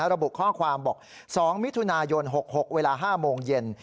ระบุข้อความบอก๒มิถุนายน๖๖เวลา๕โมงเย็น